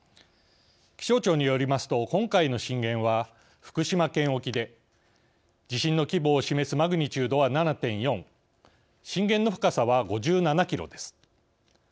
気象庁によりますと今回の震源は福島県沖で地震の規模を示すマグニチュードは７．４震源の深さは５７キロです。